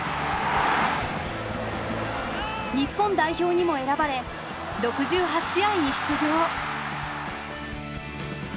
日本代表にも選ばれ６８試合に出場。